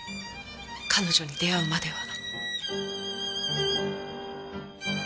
彼女に出会うまでは。